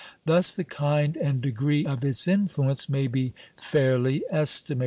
Thus the kind and degree of its influence may be fairly estimated.